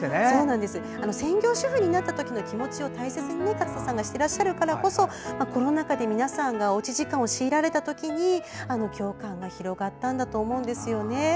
専業主婦になった時の気持ちを勝田さんが知っていらっしゃったからこそコロナ禍で、皆さんがおうち時間を強いられた時に共感が広がったんだと思うんですよね。